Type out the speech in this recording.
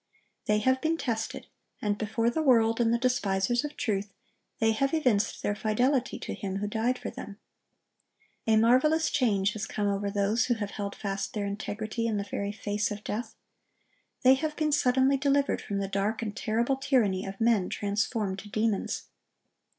They have been tested, and before the world and the despisers of truth they have evinced their fidelity to Him who died for them. A marvelous change has come over those who have held fast their integrity in the very face of death. They have been suddenly delivered from the dark and terrible tyranny of men transformed to demons.